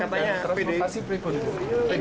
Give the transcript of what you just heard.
katanya transportasi pribun